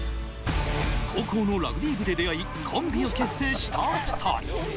高校のラグビー部で出会い、コンビを結成した２人。